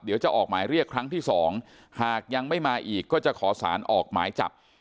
เดี๋ยวจะออกหมายเรียกครั้งที่๒หากยังไม่มาอีกก็จะขอสารออกหมายจับ